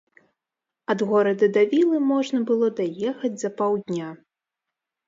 Ад горада да вілы можна было даехаць за паўдня.